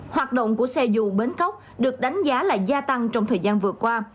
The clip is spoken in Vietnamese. hoạt động của xe dù bến cóc được đánh giá là gia tăng trong thời gian vừa qua